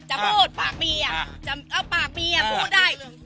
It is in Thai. จะพูดปากมีอ่ะพูดได้